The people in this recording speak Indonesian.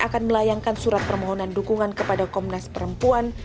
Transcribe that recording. akan melayangkan surat permohonan dukungan kepada komnas perempuan